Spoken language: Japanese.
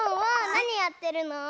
なにやってるの？